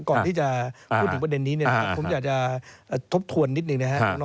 ก่อนที่จะพูดถึงประเด็นนี้นะครับผมอยากจะทบทวนนิดนึงนะครับ